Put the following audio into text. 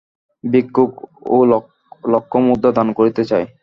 ভিক্ষুকও লক্ষ মুদ্রা দান করিতে চায়।